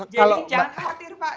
jadi jangan khawatir pak